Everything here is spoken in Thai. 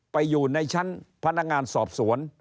ไปอยู่ในชั้นพนักงานสอบสวน